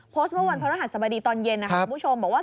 โพสต์เมื่อวันพระราชสมดีตอนเย็นคุณผู้ชมบอกว่า